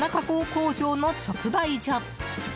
工場の直売所。